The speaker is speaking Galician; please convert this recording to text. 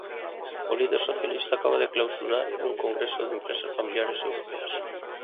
O líder socialista acaba de clausurar un congreso de empresas familiares europeas.